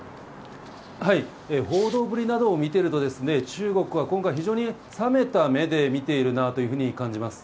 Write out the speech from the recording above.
報道ぶりなどを見てると、中国は今回、非常に冷めた目で見ているなというふうに感じます。